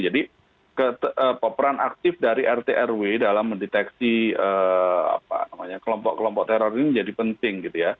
jadi peperan aktif dari rt rw dalam mendeteksi kelompok kelompok teror ini menjadi penting